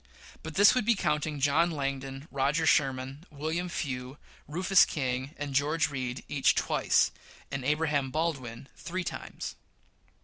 But this would be counting, John Langdon, Roger Sherman, William Few, Rufus King, and George Read, each twice, and Abraham Baldwin three times.